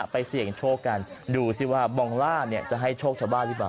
เสี่ยงโชคกันดูสิว่าบองล่าเนี่ยจะให้โชคชาวบ้านหรือเปล่า